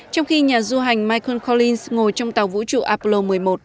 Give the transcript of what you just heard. trong khi nhà du hành michael collins ngồi trong tàu vũ trụ apollo một mươi một